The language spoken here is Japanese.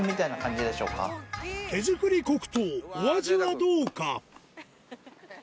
手作り黒糖お味はどうか？